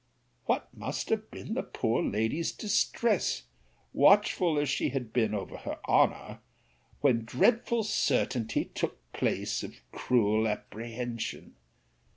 What must have been the poor lady's distress (watchful as she had been over her honour) when dreadful certainty took place of cruel apprehension!